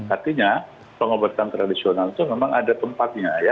artinya pengobatan tradisional itu memang ada tempatnya ya